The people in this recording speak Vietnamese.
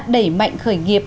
đẩy mạnh khởi nghiệp